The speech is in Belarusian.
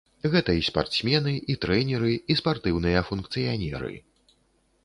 Гэта і спартсмены, і трэнеры, і спартыўныя функцыянеры.